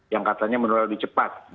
yang katanya menular lebih cepat